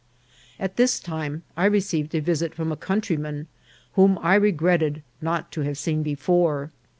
At this time I received a visit from a countryman, whom I regretted not to have seen before.